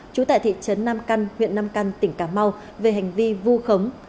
trú tại thị trấn nam căn huyện nam căn tỉnh cà mau về hành vi vu khống